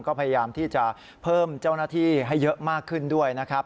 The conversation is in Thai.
ก็พยายามที่จะเพิ่มเจ้าหน้าที่ให้เยอะมากขึ้นด้วยนะครับ